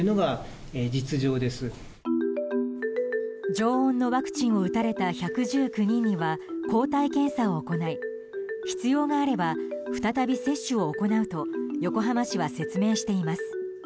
常温のワクチンを打たれた１１９人には抗体検査を行い必要があれば再び接種を行うと横浜市は説明しています。